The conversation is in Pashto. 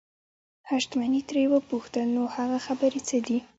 حشمتي ترې وپوښتل نو هغه خبرې څه دي.